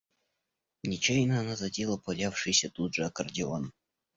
Нечаянно она задела валявшийся тут же аккордеон.